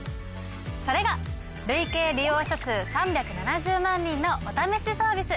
それが累計利用者数３７０万人のお試しサービス